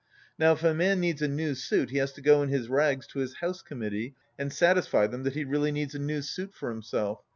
Now if a man needs a new suit he has to go in his rags to his House Committee, and satisfy them that he really needs a new suit for himself.